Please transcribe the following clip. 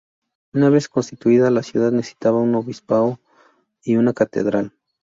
Una vez constituida la ciudad, necesitaba un obispado y una catedral.